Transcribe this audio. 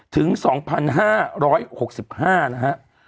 ถึง๒๕๖๕นะฮะ